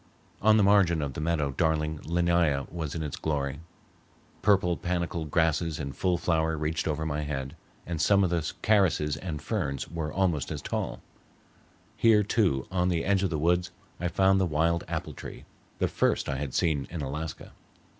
On the margin of the meadow darling linnæa was in its glory; purple panicled grasses in full flower reached over my head, and some of the carices and ferns were almost as tall. Here, too, on the edge of the woods I found the wild apple tree, the first I had seen in Alaska.